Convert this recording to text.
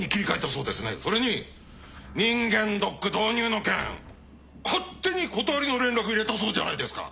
それに人間ドック導入の件勝手に断りの連絡を入れたそうじゃないですか。